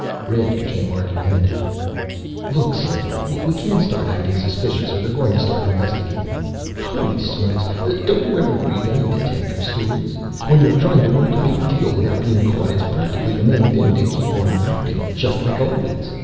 Red became argumentative. "Look, Slim, we can't start acting suspicious or they're going to start investigating. Holy Smokes, don't you ever read any detective stories? When you're trying to work a big deal without being caught, it's practically the main thing to keep on acting just like always.